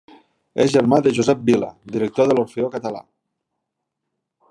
És germà de Josep Vila, director de l'Orfeó Català.